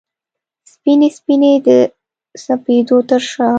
سپینې، سپینې د سپېدو ترشا